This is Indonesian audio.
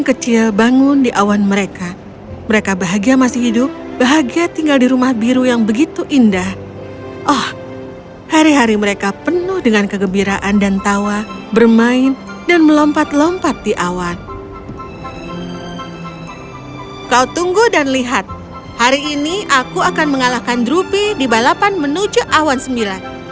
kau tunggu dan lihat hari ini aku akan mengalahkan drupi di balapan menuju awan sembilan